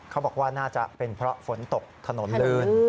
เขาบอกว่าน่าจะเป็นเพราะฝนตกถนนลื่น